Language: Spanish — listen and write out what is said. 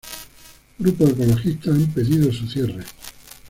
Grupos ecologistas han pedido su cierre.